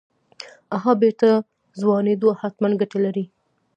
اها بېرته ځوانېدو حتمن ګته کړې.